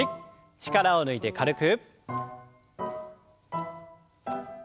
力を抜いて軽く。